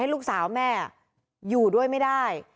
ลูกสาวแม่อยู่ด้วยไม่ได้